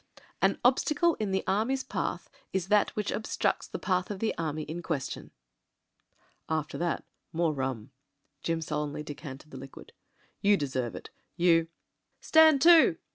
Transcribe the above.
" 'An obstacle in an army's path is that which ob structs the path of the army in question.' " "After that — ^more rum." Jim solemnly decanted the liquid. "You deserve it. You ..." "Stand to."